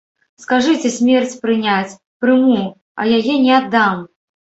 Скажыце смерць прыняць, прыму, а яе не аддам!